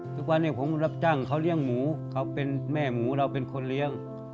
ทุกวันนี้ผมรับจ้างเขาเลี้ยงหมูเขาเป็นแม่หมูเราเป็นคนเลี้ยง